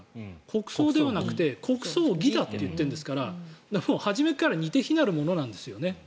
国葬ではなくて国葬儀だといっているんですから始めから似て非なるものなんですよね。